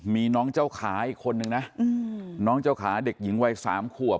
มีน้องเจ้าขาอีกคนนึงนะน้องเจ้าขาเด็กหญิงวัย๓ขวบ